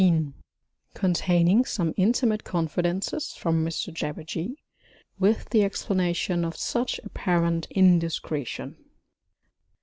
XVII _Containing some intimate confidences from Mr Jabberjee, with the explanation of such apparent indiscretion.